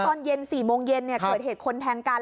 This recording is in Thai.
ตอนเย็น๔โมงเย็นเกิดเหตุคนแทงกัน